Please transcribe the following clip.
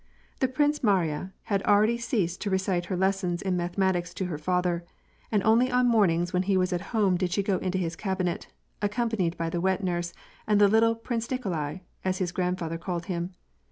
The Princess Mariya had already ceased to recite her lessons in mathematics to her father, and only on mornings when he was at home did she go to his cabinet, accompanied by the wet nurse and the "little Prince Nikolai," as his grandfather called him.